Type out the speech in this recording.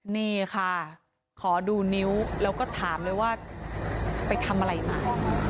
นี่ค่ะขอดูนิ้วแล้วก็ถามเลยว่าไปทำอะไรมา